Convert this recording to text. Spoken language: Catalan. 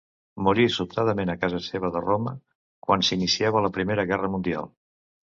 Morí sobtadament a casa seva de Roma, quan s'iniciava la primera guerra mundial.